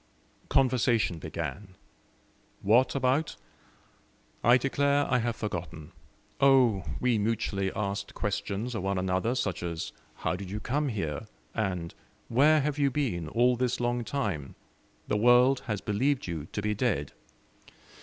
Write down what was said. Conversation began. What about? I declare I have forgotten. Oh! we mutually asked questions of one another, such as "How did you come here?" and "Where have you been all this long time? the world has believed you to be dead."